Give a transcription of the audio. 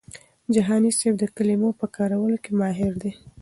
جهاني صاحب د کلمو په کارولو کي ماهر دی.